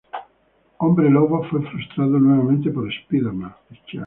Hombre Lobo fue frustrado nuevamente por Spider-Man.